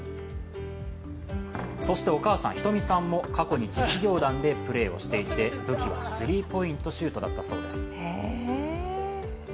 そしてお母さんひとみさんも過去に実業団でプレーしていて武器はスリーポイントシュートだったそうです。